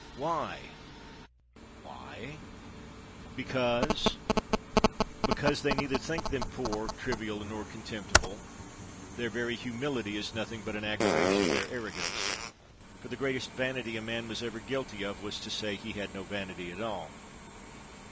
Why why Because, because, they neither think them poor, trivial, nor con temptible ; their very humility is nothing but an aggra vation of their arrogance, for the greatest vanity a man was ever guilty of, was to say, he had no vanity at all.